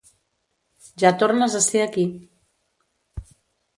Ja tornes a ser aquí.